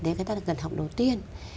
đấy là cái ta cần học đầu tiên